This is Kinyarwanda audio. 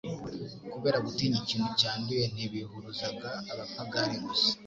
Kubera gutinya ikintu cyanduye ntibihuruzaga abapagani gusa,